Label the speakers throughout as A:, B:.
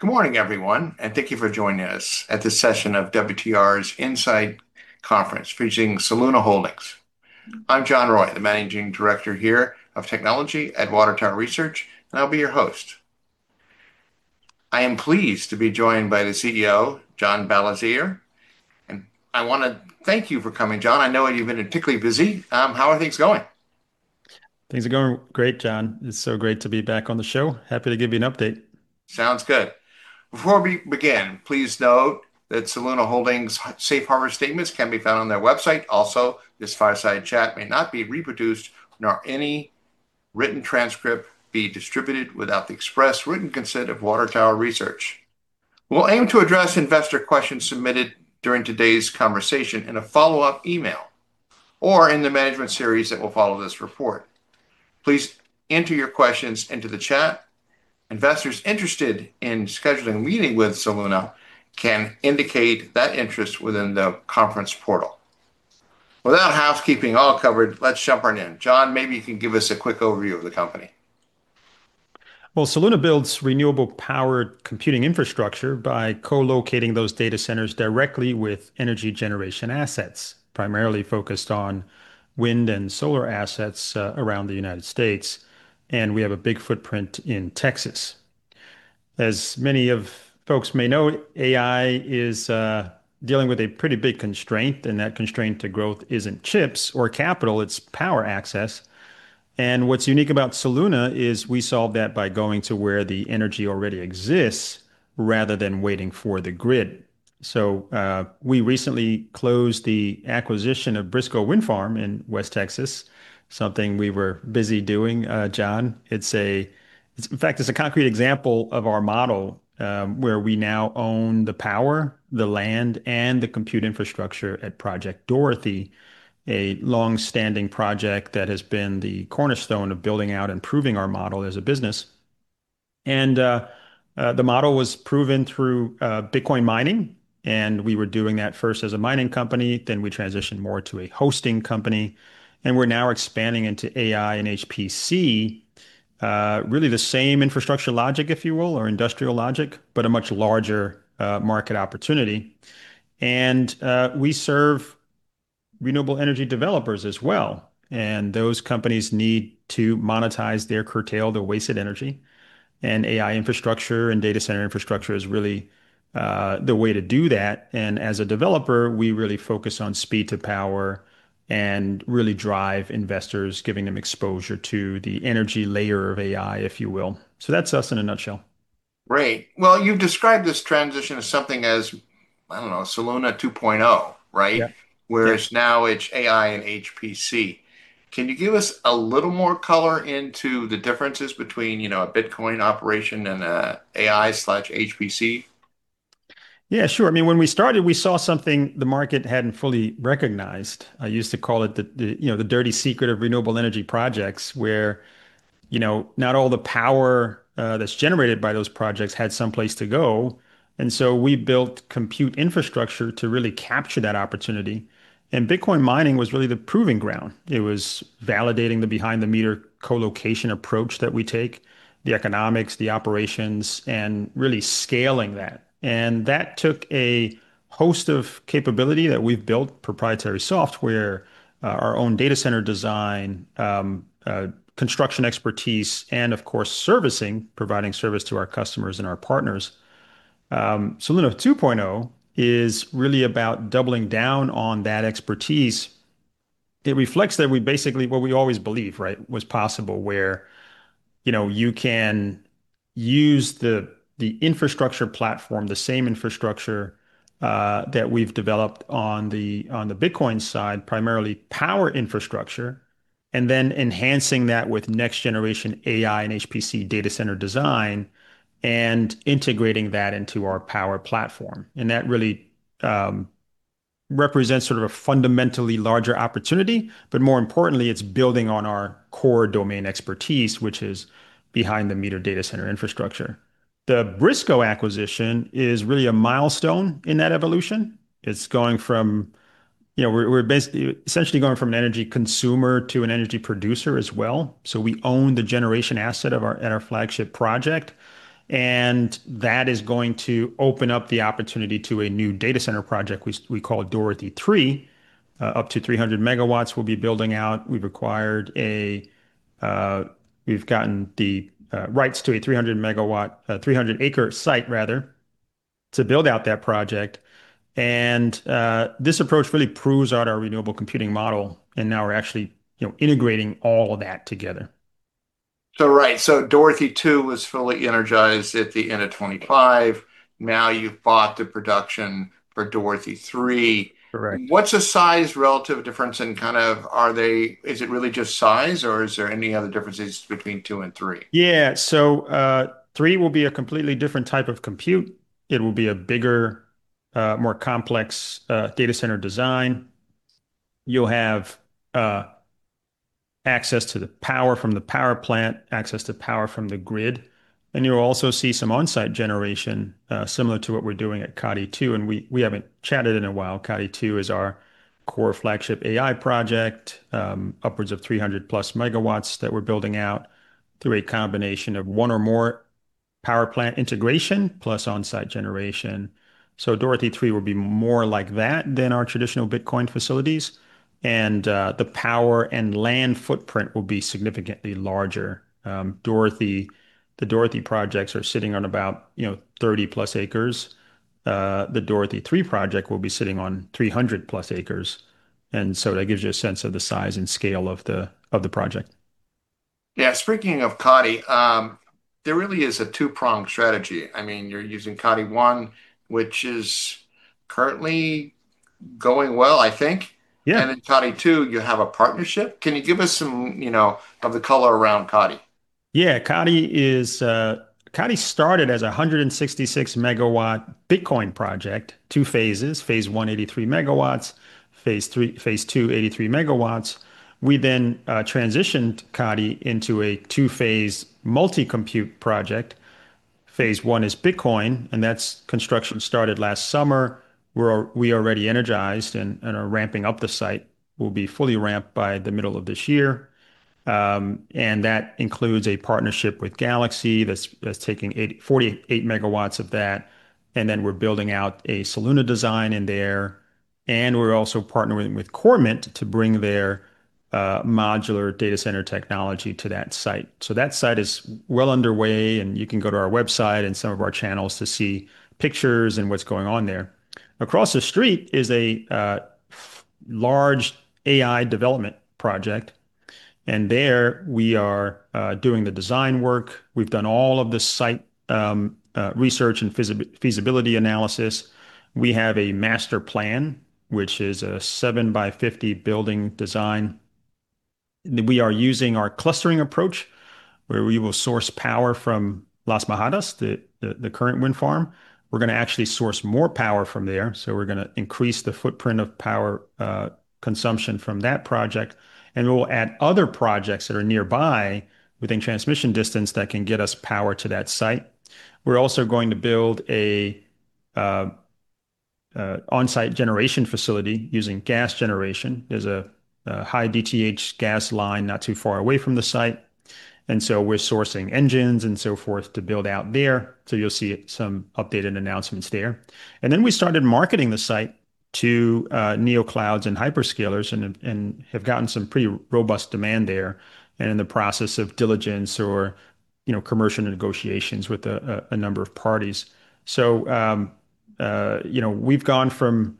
A: Good morning, everyone, and thank you for joining us at this session of WTR's Insights Conference featuring Soluna Holdings. I'm John Roy, the Managing Director here of Technology at Water Tower Research, and I'll be your host. I am pleased to be joined by the CEO, John Belizaire, and I want to thank you for coming, John. I know that you've been particularly busy. How are things going?
B: Things are going great, John. It's so great to be back on the show. Happy to give you an update.
A: Sounds good. Before we begin, please note that Soluna Holdings' safe harbor statements can be found on their website. Also, this fireside chat may not be reproduced, nor any written transcript be distributed without the express written consent of Water Tower Research. We'll aim to address investor questions submitted during today's conversation in a follow-up email or in the management series that will follow this report. Please enter your questions into the chat. Investors interested in scheduling a meeting with Soluna can indicate that interest within the conference portal. With that housekeeping all covered, let's jump right in. John, maybe you can give us a quick overview of the company.
B: Well, Soluna builds renewable-powered computing infrastructure by co-locating those data centers directly with energy generation assets, primarily focused on wind and solar assets around the United States, and we have a big footprint in Texas. As many of folks may know, AI is dealing with a pretty big constraint, and that constraint to growth isn't chips or capital, it's power access. What's unique about Soluna is we solve that by going to where the energy already exists rather than waiting for the grid. We recently closed the acquisition of Briscoe Wind Farm in West Texas, something we were busy doing, John. In fact, it's a concrete example of our model, where we now own the power, the land, and the compute infrastructure at Project Dorothy, a long-standing project that has been the cornerstone of building out and proving our model as a business. The model was proven through Bitcoin mining, and we were doing that first as a mining company, then we transitioned more to a hosting company, and we're now expanding into AI and HPC, really the same infrastructure logic, if you will, or industrial logic, but a much larger market opportunity. We serve renewable energy developers as well, and those companies need to monetize their curtailed or wasted energy, and AI infrastructure and data center infrastructure is really the way to do that. As a developer, we really focus on speed-to-power and really drive investors, giving them exposure to the energy layer of AI, if you will. That's us in a nutshell.
A: Great. Well, you've described this transition as something as, I don't know, Soluna 2.0, right?
B: Yeah.
A: Whereas now it's AI and HPC, can you give us a little more color into the differences between a Bitcoin operation and AI/HPC?
B: Yeah, sure. When we started, we saw something the market hadn't fully recognized. I used to call it the dirty secret of renewable energy projects where not all the power that's generated by those projects had some place to go. We built compute infrastructure to really capture that opportunity, and Bitcoin mining was really the proving ground. It was validating the behind-the-meter co-location approach that we take, the economics, the operations, and really scaling that. That took a host of capability that we've built, proprietary software, our own data center design, construction expertise, and of course, servicing, providing service to our customers and our partners. Soluna 2.0 is really about doubling down on that expertise. It reflects that we basically what we always believe, right, was possible where you can use the infrastructure platform, the same infrastructure that we've developed on the Bitcoin side, primarily power infrastructure, and then enhancing that with next-generation AI and HPC data center design, and integrating that into our Power platform. That really represents sort of a fundamentally larger opportunity, but more importantly, it's building on our core domain expertise, which is behind-the-meter data center infrastructure. The Briscoe acquisition is really a milestone in that evolution. We're essentially going from an energy consumer to an energy producer as well. We own the generation asset at our flagship project, and that is going to open up the opportunity to a new data center project we call Dorothy 3. Up to 300 MW we'll be building out. We've gotten the rights to a 300 acre site to build out that project. This approach really proves out our renewable computing model, and now we're actually integrating all of that together.
A: Right. Dorothy 2 was fully energized at the end of 2025. Now you've bought the production for Dorothy 3.
B: Correct.
A: What's the size relative difference and kind of is it really just size, or is there any other differences between two and three?
B: Yeah. Three will be a completely different type of compute. It will be a bigger, more complex data center design. You'll have access to the power from the power plant, access to power from the grid, and you'll also see some on-site generation, similar to what we're doing at Kati 2. We haven't chatted in a while. Kati 2 is our core flagship AI project. Upwards of 300+ MW that we're building out through a combination of one or more power plant integration plus on-site generation. Dorothy 3 will be more like that than our traditional Bitcoin facilities, and the power and land footprint will be significantly larger. The Dorothy projects are sitting on about 30+ acres. The Dorothy 3 project will be sitting on 300+ acres, and so that gives you a sense of the size and scale of the project.
A: Yeah. Speaking of Kati, there really is a two-pronged strategy. You're using Kati 1, which is currently going well, I think.
B: Yeah.
A: In Kati 2, you have a partnership. Can you give us some of the color around Kati?
B: Yeah. Kati started as a 166 MW Bitcoin project, two phases. Phase One, 83 MW, Phase Two, 83 MW. We then transitioned Kati into a two-phase multi-compute project. Phase One is Bitcoin, and construction started last summer, where we already energized and are ramping up the site, will be fully ramped by the middle of this year. That includes a partnership with Galaxy that's taking 48 MW of that, and then we're building out a Soluna design in there. We're also partnering with Cormint to bring their modular data center technology to that site. That site is well underway, and you can go to our website and some of our channels to see pictures and what's going on there. Across the street is a large AI development project, and there we are doing the design work. We've done all of the site research and feasibility analysis. We have a master plan, which is a 7x50 building design. We are using our clustering approach, where we will source power from Las Majadas, the current wind farm. We're going to actually source more power from there, so we're going to increase the footprint of power consumption from that project. We will add other projects that are nearby within transmission distance that can get us power to that site. We're also going to build an on-site generation facility using gas generation. There's a high Dth gas line not too far away from the site, and so we're sourcing engines and so forth to build out there. You'll see some updated announcements there. We started marketing the site to neoclouds and hyperscalers and have gotten some pretty robust demand there. In the process of diligence or commercial negotiations with a number of parties, we've gone from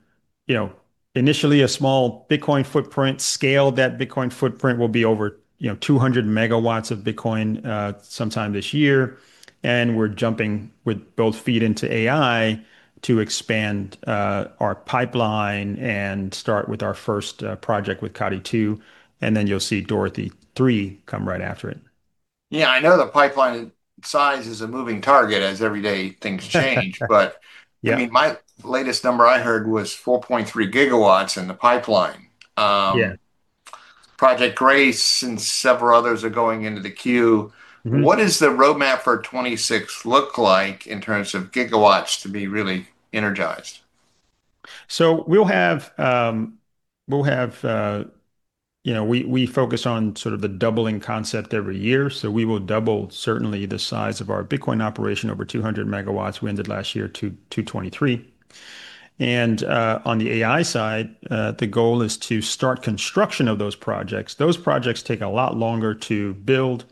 B: initially a small Bitcoin footprint scale. That Bitcoin footprint will be over 200 MW of Bitcoin sometime this year. We're jumping with both feet into AI to expand our pipeline and start with our first project with Kati 2, and then you'll see Dorothy 3 come right after it.
A: Yeah, I know the pipeline size is a moving target as every day things change.
B: Yeah.
A: My latest number I heard was 4.3 GW in the pipeline.
B: Yeah.
A: Project Grace and several others are going into the queue.
B: Mm-hmm.
A: What does the roadmap for 2026 look like in terms of gigawatts to be really energized?
B: We focus on sort of the doubling concept every year, so we will double certainly the size of our Bitcoin operation over 200 MW. We ended last year 223 MW. On the AI side, the goal is to start construction of those projects. Those projects take a lot longer to build.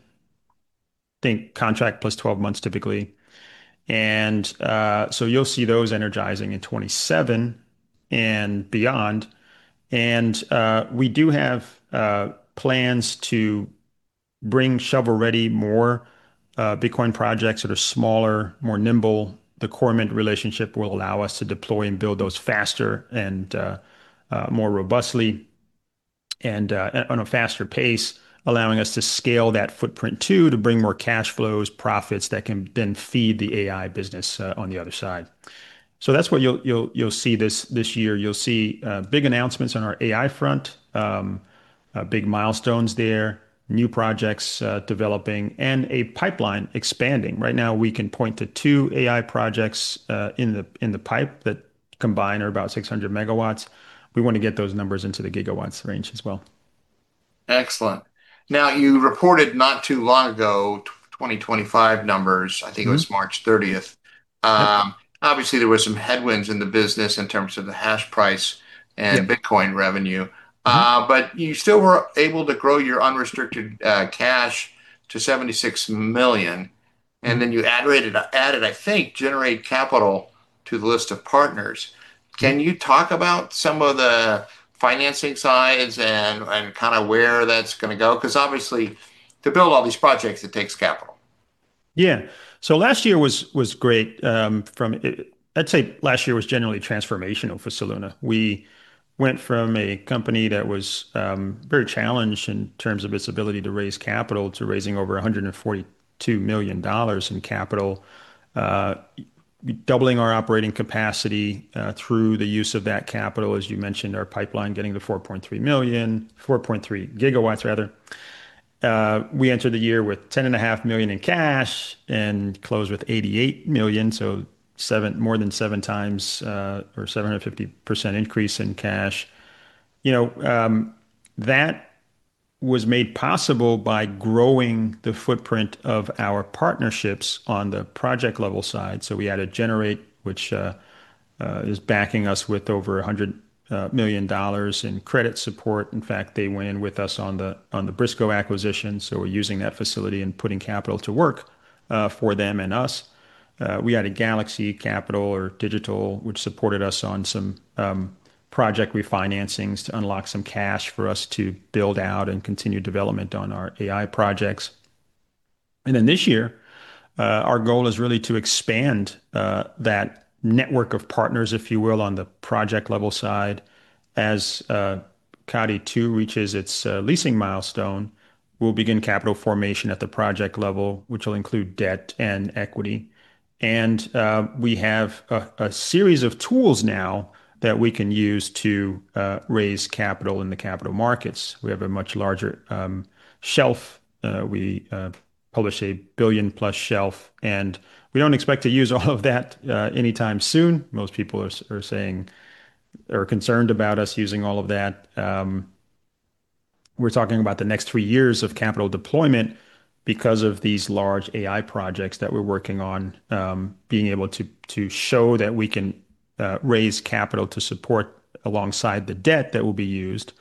B: Think contract plus 12 months, typically. You'll see those energizing in 2027 and beyond. We do have plans to bring shovel-ready more Bitcoin projects that are smaller, more nimble. The Cormint relationship will allow us to deploy and build those faster and more robustly and on a faster pace, allowing us to scale that footprint too, to bring more cash flows, profits that can then feed the AI business on the other side. That's what you'll see this year. You'll see big announcements on our AI front, big milestones there, new projects developing, and a pipeline expanding. Right now, we can point to two AI projects in the pipe that combined are about 600 MW. We want to get those numbers into the gigawatts range as well.
A: Excellent. Now, you reported not too long ago, 2025 numbers, I think it was March 30th.
B: Mm-hmm.
A: Obviously, there were some headwinds in the business in terms of the hash price and Bitcoin revenue.
B: Mm-hmm.
A: You still were able to grow your unrestricted cash to $76 million, and then you added, I think, Generate Capital to the list of partners. Can you talk about some of the financing sides and kind of where that's going to go, because obviously, to build all these projects, it takes capital?
B: Yeah. Last year was great. I'd say last year was generally transformational for Soluna. We went from a company that was very challenged in terms of its ability to raise capital, to raising over $142 million in capital, doubling our operating capacity through the use of that capital, as you mentioned, our pipeline getting to 4.3 GW. We entered the year with $10.5 million in cash and closed with $88 million, so more than 7x or 750% increase in cash. That was made possible by growing the footprint of our partnerships on the project-level side. We added Generate, which is backing us with over $100 million in credit support. In fact, they went in with us on the Briscoe acquisition, so we're using that facility and putting capital to work for them and us. We added Galaxy Digital, which supported us on some project refinancings to unlock some cash for us to build out and continue development on our AI projects. This year, our goal is really to expand that network of partners, if you will, on the project-level side. As Kati 2 reaches its leasing milestone, we'll begin capital formation at the project level, which will include debt and equity. We have a series of tools now that we can use to raise capital in the capital markets. We have a much larger shelf. We have published a billion-plus shelf, and we don't expect to use all of that anytime soon. Most people are saying they're concerned about us using all of that. We're talking about the next three years of capital deployment because of these large AI projects that we're working on. Being able to show that we can raise capital to support alongside the debt that will be used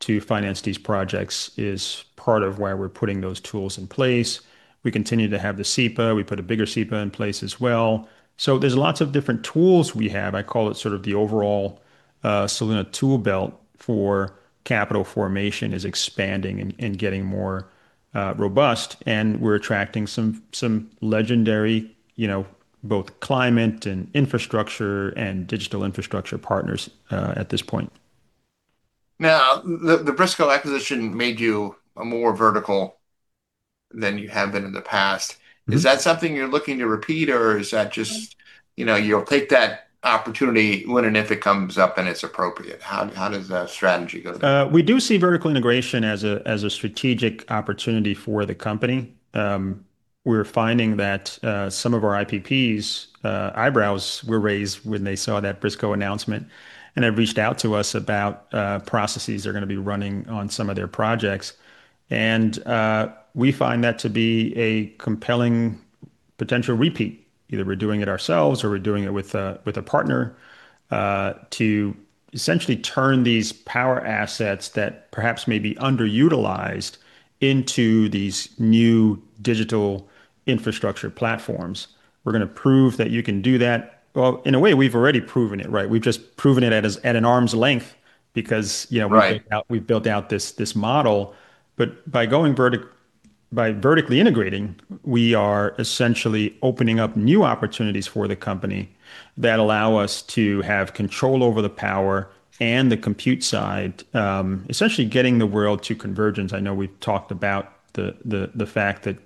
B: to finance these projects is part of why we're putting those tools in place. We continue to have the SEPA. We put a bigger SEPA in place as well. There's lots of different tools we have. I call it sort of the overall Soluna tool belt for capital formation is expanding and getting more robust, and we're attracting some legendary both climate and infrastructure and digital infrastructure partners at this point.
A: Now, the Briscoe acquisition made you more vertical than you have been in the past.
B: Mm-hmm.
A: Is that something you're looking to repeat, or is that just you'll take that opportunity when and if it comes up, and it's appropriate? How does that strategy go together?
B: We do see vertical integration as a strategic opportunity for the company. We're finding that some of our IPPs' eyebrows were raised when they saw that Briscoe announcement and have reached out to us about processes they're going to be running on some of their projects. We find that to be a compelling potential repeat. Either we're doing it ourselves or we're doing it with a partner to essentially turn these power assets that perhaps may be underutilized into these new digital infrastructure platforms. We're going to prove that you can do that. Well, in a way, we've already proven it, right? We've just proven it at an arm's length.
A: Right
B: We've built out this model. By vertically integrating, we are essentially opening up new opportunities for the company that allow us to have control over the power and the compute side, essentially getting the world to convergence. I know we've talked about the fact that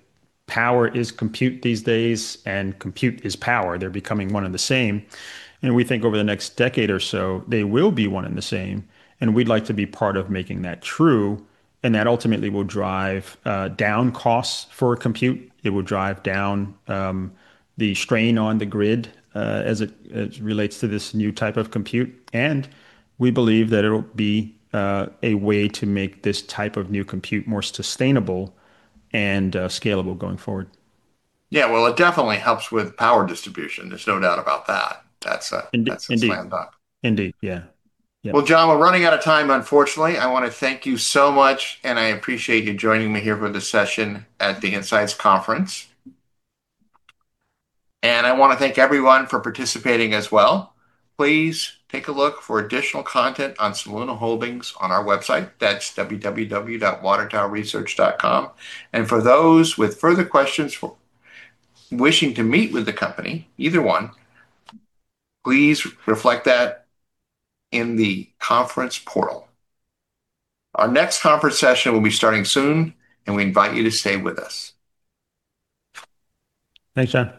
B: power is compute these days, and compute is power. They're becoming one and the same. We think over the next decade or so, they will be one and the same, and we'd like to be part of making that true, and that ultimately will drive down costs for compute. It will drive down the strain on the grid as it relates to this new type of compute. We believe that it'll be a way to make this type of new compute more sustainable and scalable going forward.
A: Yeah. Well, it definitely helps with power distribution. There's no doubt about that.
B: Indeed
A: That's a slam dunk.
B: Indeed. Yeah.
A: Well, John, we're running out of time, unfortunately. I want to thank you so much, and I appreciate you joining me here for this session at the Insights Conference. I want to thank everyone for participating as well. Please take a look for additional content on Soluna Holdings on our website. That's www.watertowerresearch.com. For those with further questions or wishing to meet with the company, either one, please reflect that in the conference portal. Our next conference session will be starting soon, and we invite you to stay with us.
B: Thanks, John.